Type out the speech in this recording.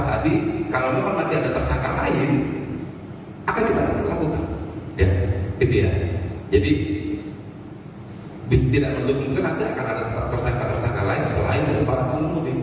akan kita lakukan jadi tidak mendungkan ada akan ada tersangka tersangka lain selain dari para pengungkup